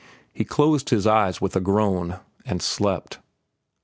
He closed his eyes with a groan, and slept.